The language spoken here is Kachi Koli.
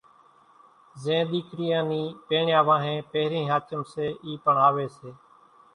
زين ۮيڪريان نِي پيڻيا وانھين پھرين ۿاچم سي اِي پڻ آوي سي